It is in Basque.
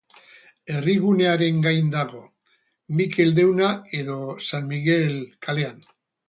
Herrigunearen gain dago, Mikel Deuna edo San Migel kalean.